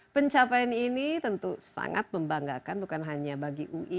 pencapaian ini tentu sangat membanggakan bukan hanya bagi ui